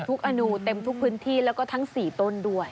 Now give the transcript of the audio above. อนูเต็มทุกพื้นที่แล้วก็ทั้ง๔ต้นด้วย